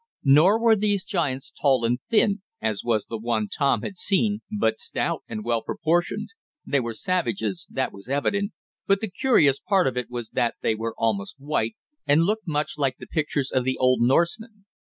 Nor were these giants tall and thin, as was the one Tom had seen, but stout, and well proportioned. They were savages, that was evident, but the curious part of it was that they were almost white, and looked much like the pictures of the old Norsemen.